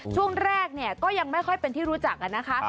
ช่วงแรกก็ยังไม่ค่อยเป็นที่รู้จัก